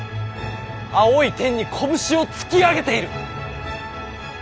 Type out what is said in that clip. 青い天に拳を突き上げている。